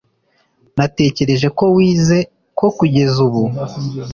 natekereje ko wize ko kugeza ubu